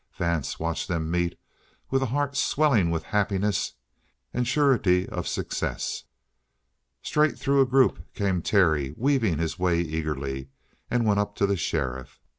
Vance watched them meet with a heart swelling with happiness and surety of success. Straight through a group came Terry, weaving his way eagerly, and went up to the sheriff.